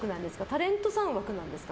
タレントさん枠なんですか？